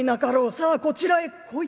さあこちらへ来い』。